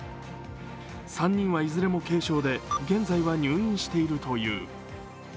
３人はいずれも軽症で現在は入院しているという。